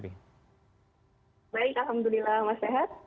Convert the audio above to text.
baik alhamdulillah mas sehat